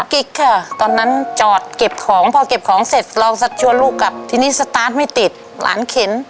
กิ๊กค่ะตอนนั้นจอดเก็บของพอเก็บของเสร็จเราชวนลูกกลับทีนี้สตาร์ทไม่ติดหลานเข็น